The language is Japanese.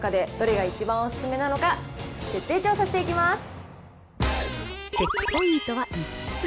この中でどれが一番お勧めなのか、チェックポイントは５つ。